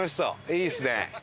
いいですね。